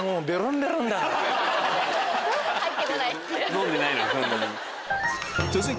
飲んでないのにそんなに。